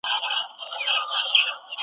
د هر چا به ښه او بد ټوله د ځان وای .